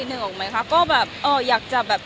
นึกออกไหมคะก็แบบ